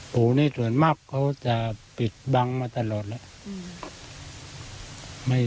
โหนี่ส่วนมากเขาจะปิดบังมาตลอดแล้ว